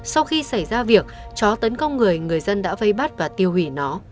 sau khi xảy ra việc chó tấn công người người dân đã vây bắt và tiêu hủy nó